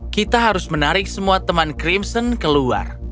kita harus menarik semua teman crimson keluar